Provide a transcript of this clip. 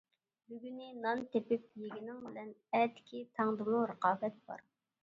بۈگۈنى نان تېپىپ يېگىنىڭ بىلەن، ئەتىكى تاڭدىمۇ رىقابەت بار.